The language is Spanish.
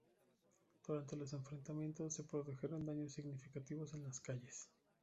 Durante los enfrentamientos, se produjeron daños significativos en las calles.